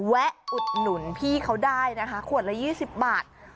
อุดหนุนพี่เขาได้นะคะขวดละ๒๐บาท